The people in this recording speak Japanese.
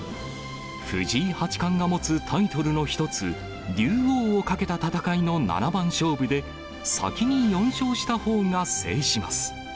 藤井八冠が持つタイトルの一つ、竜王をかけた戦いの七番勝負で先に４勝したほうが制します。